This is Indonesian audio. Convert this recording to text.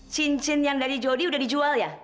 cincin yang dari jody udah dijual ya